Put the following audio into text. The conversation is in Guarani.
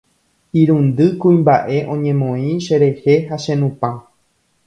Irundy kuimbaʼe oñemoĩ cherehe ha chenupã.